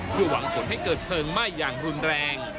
เพื่อหวังผลให้เกิดเพลิงไหม้อย่างรุนแรง